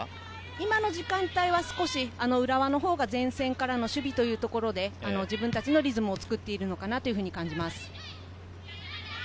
今の時間帯は浦和のほうが前線からの守備というところで、自分たちのリズムを作っているのかなと感じます。